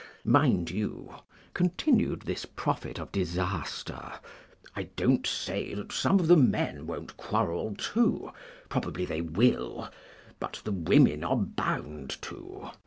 Mind you," continued this prophet of disaster, "I don't say that some of the men won't quarrel too, probably they will; but the women are bound to.